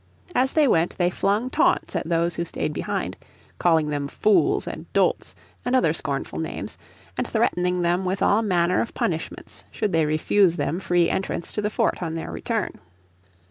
As they went they flung taunts at those who stayed behind, calling them fools and dolts and other scornful names, and threatening them with all manner of punishments should they refuse them free entrance to the fort on their return.